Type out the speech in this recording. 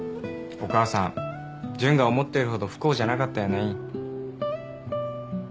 お母さん純が思ってるほど不幸じゃなかったんやないん？